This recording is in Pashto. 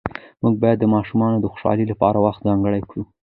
موږ باید د ماشومانو د خوشحالۍ لپاره وخت ځانګړی کړو